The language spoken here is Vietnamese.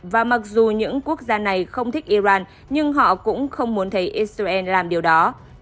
và mặc dù những quốc gia này không thích iran nhưng họ cũng không muốn thấy israel làm điều đó